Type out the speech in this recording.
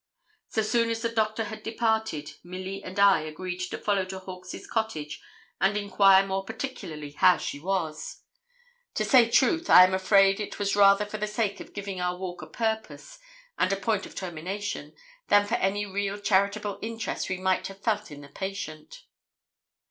So soon as the doctor had departed, Milly and I agreed to follow to Hawkes' cottage and enquire more particularly how she was. To say truth, I am afraid it was rather for the sake of giving our walk a purpose and a point of termination, than for any very charitable interest we might have felt in the patient.